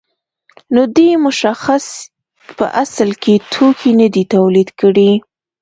نو دې شخص په اصل کې توکي نه دي تولید کړي